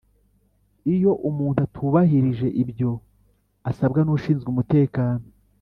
Iyo umuntu atubahirije ibyo asabwa n’ ushinzwe umutekano